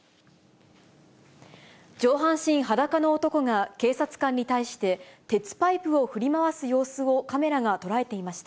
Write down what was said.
上半身裸の男が、警察官に対して鉄パイプを振り回す様子をカメラが捉えていました。